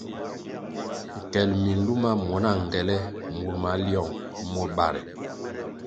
Nkel minluma muo na ngele mur maliong muo bãhra.